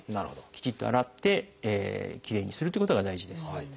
きちっと洗ってきれいにするっていうことが大事です。